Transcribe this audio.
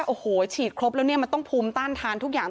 โอ้โหฉีดครบแล้วเนี่ยมันต้องภูมิต้านทานทุกอย่าง